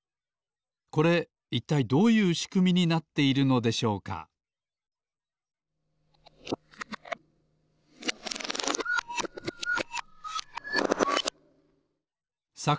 これいったいどういうしくみになっているのでしょうかさ